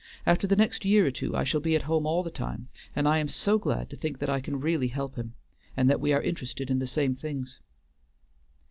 After the next year or two I shall be at home all the time, and I am so glad to think I can really help him, and that we are interested in the same things."